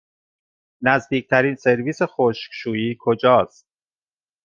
نزدیکترین سرویس خشکشویی کجاست؟